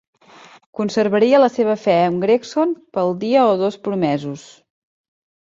Conservaria la seva fe amb Gregson pel dia o dos promesos.